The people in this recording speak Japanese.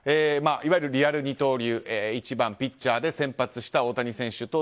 いわゆるリアル二刀流１番ピッチャーで先発した大谷選手。